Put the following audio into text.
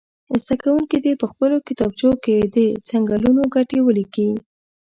زده کوونکي دې په خپلو کتابچو کې د څنګلونو ګټې ولیکي.